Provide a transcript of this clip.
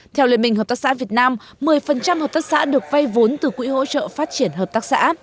theo liên minh hợp tác xã việt nam một mươi hợp tác xã được vay vốn từ quỹ hỗ trợ phát triển hợp tác xã